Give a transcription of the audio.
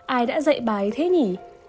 ai đã dạy bà ấy thế nhỉ